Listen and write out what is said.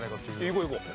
いこういこう。